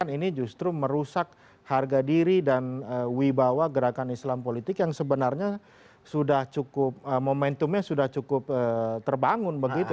ini justru merusak harga diri dan wibawa gerakan islam politik yang sebenarnya sudah cukup momentumnya sudah cukup terbangun begitu